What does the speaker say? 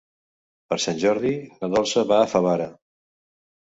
Per Sant Jordi na Dolça va a Favara.